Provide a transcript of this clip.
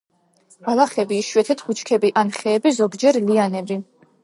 ბალახები, იშვიათად ბუჩქები ან ხეები, ზოგჯერ ლიანები.